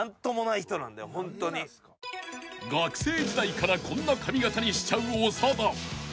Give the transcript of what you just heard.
［学生時代からこんな髪形にしちゃう長田］